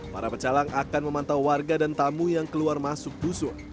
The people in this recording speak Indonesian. para pecalang akan memantau warga dan tamu yang keluar masuk dusun